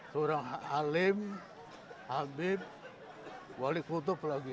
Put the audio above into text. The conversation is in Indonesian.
seorang alim habib wali kutub lagi